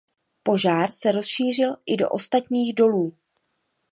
Požár se rozšířil i do ostatních dolů.